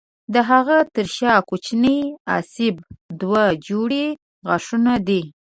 د هغه تر شا کوچني آسیاب دوه جوړې غاښونه دي.